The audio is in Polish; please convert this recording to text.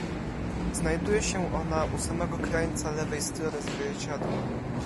"Znajduje się ona u samego krańca lewej strony zwierciadła."